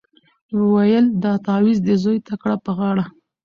ویل دا تعویذ دي زوی ته کړه په غاړه